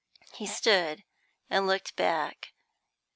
He stood and looked back.